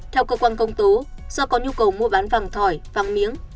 theo cơ quan công tố do có nhu cầu mua bán vàng thỏi vàng miếng